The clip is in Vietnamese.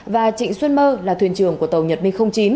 và trịnh xuân mơ là thuyền trưởng của tàu nhật minh chín